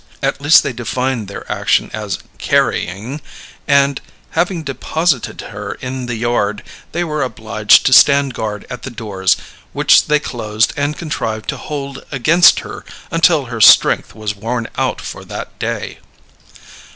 At least, they defined their action as "carrying," and, having deposited her in the yard, they were obliged to stand guard at the doors, which they closed and contrived to hold against her until her strength was worn out for that day.